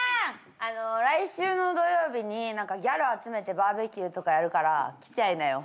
来週の土曜日にギャル集めてバーベキューとかやるから来ちゃいなよ。